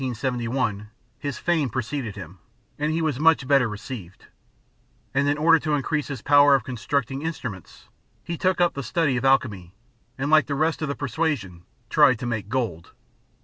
] On his return to Denmark in 1571, his fame preceded him, and he was much better received; and in order to increase his power of constructing instruments he took up the study of alchemy, and like the rest of the persuasion tried to make gold.